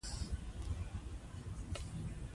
یا هم دیني باورونه یې سره جلا دي.